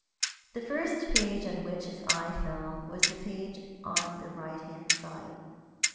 The first page on which his eye fell was the page on the right hand side.